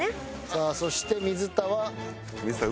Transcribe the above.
さあそして水田は。